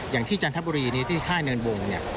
อย่างที่จันทบุรีนี้ที่ท่ายเนินบงเนี่ย